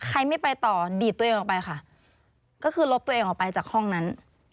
ใครไม่ไปต่อดีดตัวเองออกไปค่ะก็คือลบตัวเองออกไปจากห้องนั้น